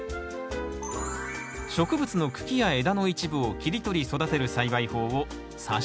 植物の茎や枝の一部を切り取り育てる栽培法をさし木といいます。